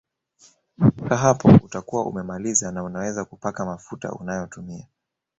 Mpaka hapo utakuwa umemaliza na unaweza kupaka mafuta unayotumia